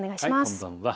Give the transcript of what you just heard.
こんばんは。